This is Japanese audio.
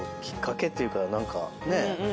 きっかけっていうか何かね。